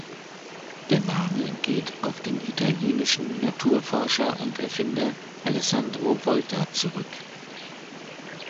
Der Name geht auf den italienischen Naturforscher und Erfinder Alessandro Volta zurück.